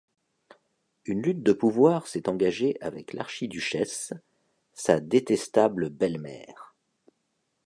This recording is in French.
Une lutte de pouvoir s'est engagée avec l’archiduchesse, sa détestable belle-mère.